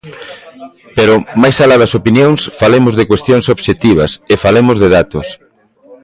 Pero, máis alá das opinións, falemos de cuestións obxectivas, e falemos de datos.